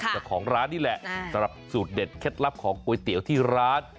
เจ้าของร้านนี่แหละสำหรับสูตรเด็ดเคล็ดลับของก๋วยเตี๋ยวที่ร้าน